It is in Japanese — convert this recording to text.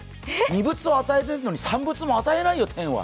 二物を与えているのに三物も与えないよ、天は。